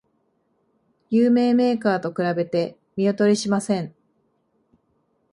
有名メーカーと比べて見劣りしません